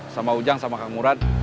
sama ujang sama kang urat